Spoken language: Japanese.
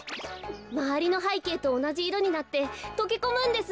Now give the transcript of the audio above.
まわりのはいけいとおなじいろになってとけこむんです。